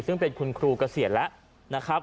ซึ่งเป็นคุณครูเกษียณแล้วนะครับ